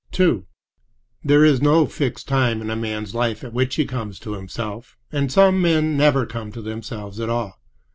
II There is no fixed time in a man's life at which he comes to himself, and some men never come to themselves at all.